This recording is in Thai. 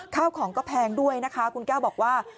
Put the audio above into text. ข้าวของก็แพงด้วยนะคะคุณแก้วบอกว่า